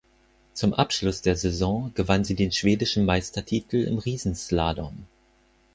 Zum Abschluss der Saison gewann sie den schwedischen Meistertitel im Riesenslalom.